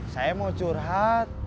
saya mau curhat